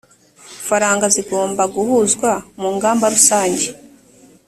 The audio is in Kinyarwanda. faranga zigomba guhuzwa mu ngamba rusange